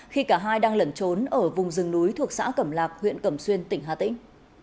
khi cả hai đang lẩn trốn ở vùng rừng núi thuộc xã cẩm lạc huyện cẩm xuyên tỉnh hà tĩnh